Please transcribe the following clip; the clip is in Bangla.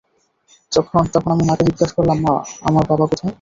তখন আমি মাকে জিজ্ঞেস করলাম, মা, আমার বাবা কোথায়?